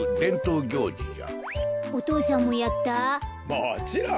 もちろん。